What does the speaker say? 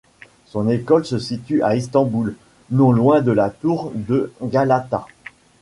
Son école se situe à Istanbul, non loin de la tour de Galata.